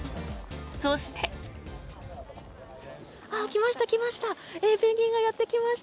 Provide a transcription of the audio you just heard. そして。来ました、来ました。